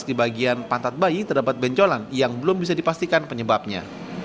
di bagian pantat bayi terdapat bencolan yang belum bisa dipastikan penyebabnya